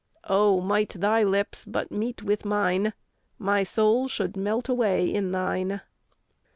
Oh, might thy lips but meet with mine, My soul should melt away in thine.